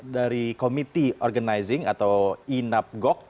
dari komiti organizing atau inapgoc